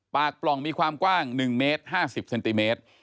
ปล่องมีความกว้าง๑เมตร๕๐เซนติเมตร